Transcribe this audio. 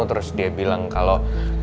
terus dia bilang kalau